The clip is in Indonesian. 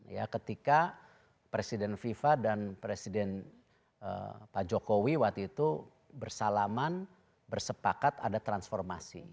ya ketika presiden fifa dan presiden pak jokowi waktu itu bersalaman bersepakat ada transformasi